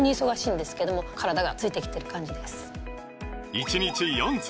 １日４粒！